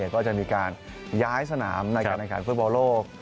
ก็จะมีการย้ายสนามในการแนะนำการฟุตบอร์โลก